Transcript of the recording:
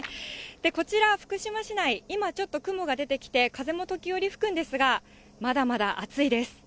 こちら、福島市内、今、ちょっと雲が出てきて風も時折吹くんですが、まだまだ暑いです。